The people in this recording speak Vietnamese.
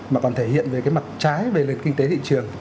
mà còn thể hiện về cái mặt trái về lịch kinh tế thị trường